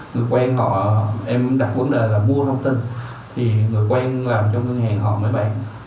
người quen họ em đặt vấn đề là mua thông tin thì người quen làm cho ngân hàng họ mới bán